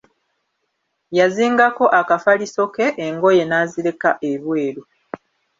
Yazingako akafaliso ke, engoye n'azireka ebweru.